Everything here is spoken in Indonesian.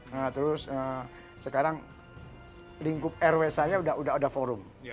nah terus sekarang lingkup rws nya sudah ada forum